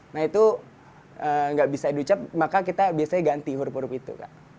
nah itu nggak bisa diucap maka kita biasanya ganti huruf huruf itu kak